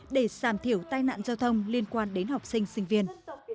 để giảm thiểu tai nạn giao thông liên quan đến học sinh sinh viên